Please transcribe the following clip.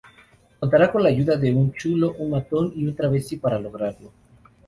Contará con la ayuda de un chulo, un matón y un travesti para lograrlo.